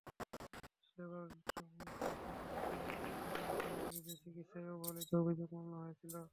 সেবার চমেক হাসপাতালের অপর দুই চিকিৎসকের বিরুদ্ধে চিকিৎসায় অবহেলার অভিযোগে মামলা হয়েছিল।